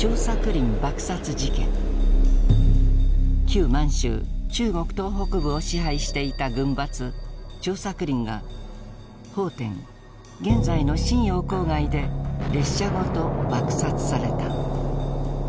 旧満州中国東北部を支配していた軍閥・張作霖が奉天現在の瀋陽郊外で列車ごと爆殺された。